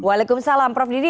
waalaikumsalam prof didi